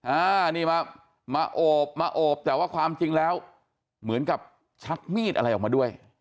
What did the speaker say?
อ่านี่มามาโอบมาโอบแต่ว่าความจริงแล้วเหมือนกับชักมีดอะไรออกมาด้วย